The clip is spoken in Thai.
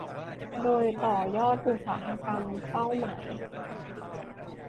โดยต่อยอดอุตสาหกรรมเป้าหมาย